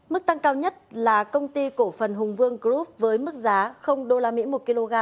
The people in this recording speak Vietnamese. mức tăng cao nhất là công ty cổ phần hùng vương group với mức giá usd một kg